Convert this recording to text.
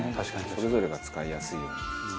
それぞれが使いやすいように。